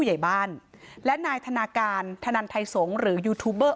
ตำรวจบอกว่าภายในสัปดาห์เนี้ยจะรู้ผลของเครื่องจับเท็จนะคะ